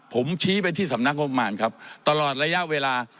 ผมชี้ไปที่สำนักงบประมาณครับตลอดระยะเวลา